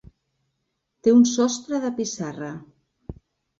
Té un sostre de pissarra.